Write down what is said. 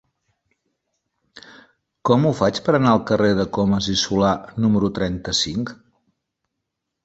Com ho faig per anar al carrer de Comas i Solà número trenta-cinc?